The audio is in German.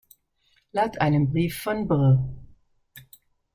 Laut einem Brief von Br.